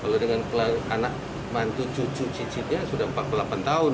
kalau dengan anak mantu cucu cicitnya sudah empat puluh delapan tahun